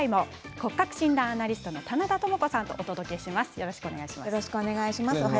骨格診断アナリストの棚田トモコさんとお届けします。